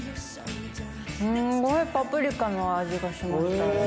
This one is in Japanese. すんごいパプリカの味がします。